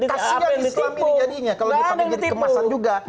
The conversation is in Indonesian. kasihnya di islam ini jadinya